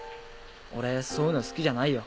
俺そういうの好きじゃないよ